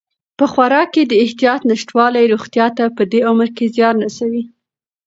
په خوراک کې د احتیاط نشتوالی روغتیا ته په دې عمر کې زیان رسوي.